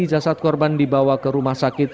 jasad korban dibawa ke rumah sakit